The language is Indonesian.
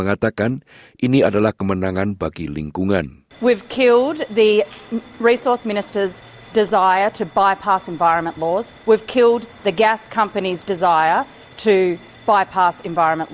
bagian ini legislasi yang berjalan cepat itu sudah hilang